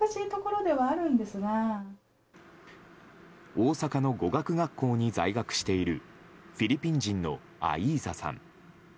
大阪の語学学校に在学しているフィリピン人のアイーザさん。